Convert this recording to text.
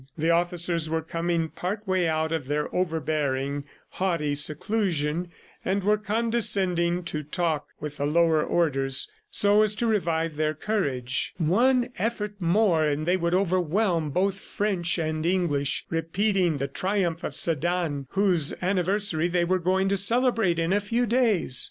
The officers were coming part way out of their overbearing, haughty seclusion, and were condescending to talk with the lower orders so as to revive their courage. One effort more and they would overwhelm both French and English, repeating the triumph of Sedan, whose anniversary they were going to celebrate in a few days!